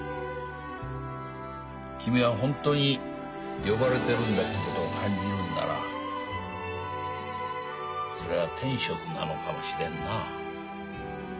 きみは本当に呼ばれてるんだってことを感じるんならそれは天職なのかもしれんなあ。